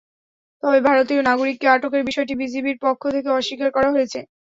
তবে ভারতীয় নাগরিককে আটকের বিষয়টি বিজিবির পক্ষ থেকে অস্বীকার করা হয়েছে।